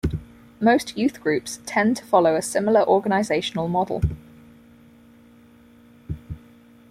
Most youth groups tend to follow a similar organizational model.